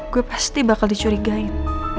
gue pasti bakal dicurigain